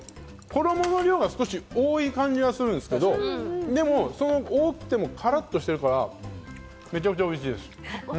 衣の量が多い感じがするんですけど、でも、多くてもカラッとしているから、めちゃくちゃおいしいです。